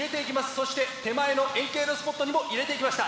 そして手前の円形スポットにも入れていきました。